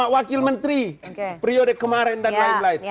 wakil menteri periode kemarin dan lain lain